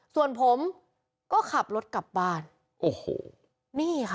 ส่วนผมก็ขับรถกลับบ้านโอ้โหนี่ค่ะ